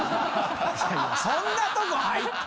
そんなとこ入って。